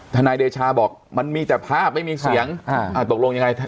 นายเดชาบอกมันมีแต่ภาพไม่มีเสียงตกลงยังไง